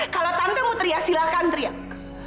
kalau tante mau teriak silahkan teriak